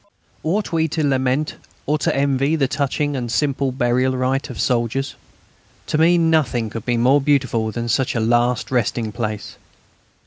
Ought we to lament or to envy the touching and simple burial rite of soldiers? To me, nothing could be more beautiful than such a last resting place.